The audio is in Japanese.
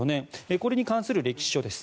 これに関する歴史書です。